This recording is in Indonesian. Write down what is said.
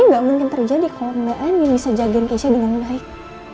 ini gak mungkin terjadi kalau mbak endin bisa jagain keisha dengan baik